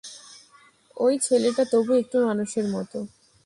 ঐ ছেলেটা তবু একটু মানুষের মতো।